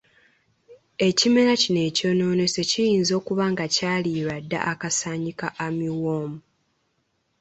Ekimera kino ekyonoonese kiyinza okuba nga kyaliiriddwa akasaanyi ka armyworm.